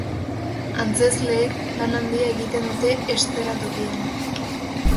Antzezleek lan handia egiten dute eszenatokian.